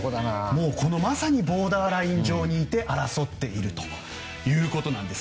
まさにボーダーライン上にいて争っているということなんです。